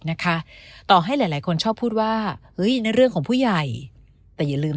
นะคะต่อให้หลายหลายคนชอบพูดว่าเฮ้ยในเรื่องของผู้ใหญ่แต่อย่าลืม